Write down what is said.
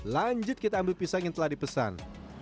lanjut kita ambil pisang yang telah dipesan